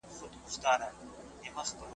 سوسیالیستي نظام د فطرت خلاف دی.